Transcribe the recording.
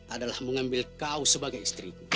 adalah mengambil kau sebagai istriku